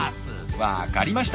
分かりました！